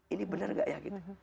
ini benar gak ya